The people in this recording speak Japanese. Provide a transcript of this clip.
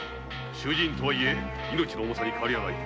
囚人とはいえ命の重さに変わりはない。